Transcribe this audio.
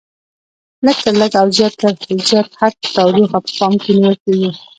لږ تر لږه او زیات تر زیات حد تودوخه په پام کې نیول کېږي.